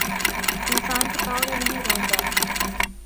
انسان کےپاؤں نے نہیں روندا